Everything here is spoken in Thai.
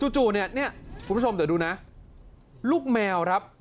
จู่เนี่ยเนี่ยคุณผู้ชมเดี๋ยวดูนะลูกแมวครับ